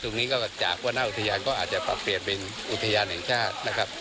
ตรงนี้ก็จากว่าหน้าอุทยานก็อาจจะปรับเปลี่ยนเป็นอุทยานแห่งชาตินะครับ